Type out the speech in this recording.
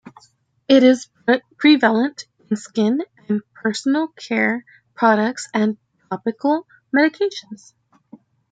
It is prevalent in skin and personal care products and topical medications.